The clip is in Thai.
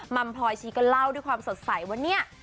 มัมพลอยชีก็เล่าด้วยความสดใสว่าเนี่ย